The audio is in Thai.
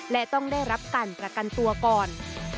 และต้องได้รับการประกันตัวก่อน